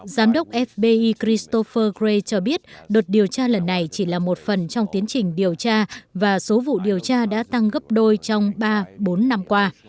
giám đốc fbi christopher gre cho biết đợt điều tra lần này chỉ là một phần trong tiến trình điều tra và số vụ điều tra đã tăng gấp đôi trong ba bốn năm qua